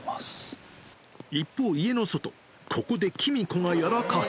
一方、家の外、ここできみ子がやらかす。